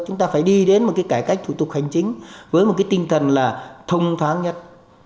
chúng ta phải đi đến một cái cải cách thủ tục hành chính với một cái tinh thần là thông thoáng nhất